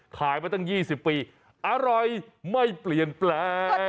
ขายไปตั้งยี่สิบปีอร่อยไม่เปลี่ยนแปล